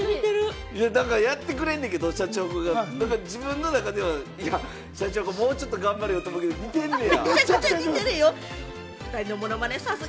やってくれんねんけど、シャチホコが、自分の中ではシャチホコもうちょっと頑張れよって思うけど似てんねや。